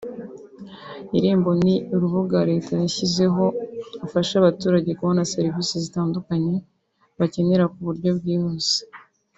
Irembo ni urubuga Leta yashyizeho rufasha abaturage kubona serivise zitandukanye bakenera ku buryo bwihuse